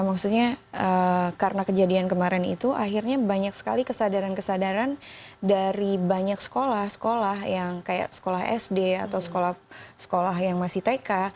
maksudnya karena kejadian kemarin itu akhirnya banyak sekali kesadaran kesadaran dari banyak sekolah sekolah yang kayak sekolah sd atau sekolah sekolah yang masih tk